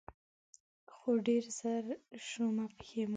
خو ډېر زر شومه پښېمانه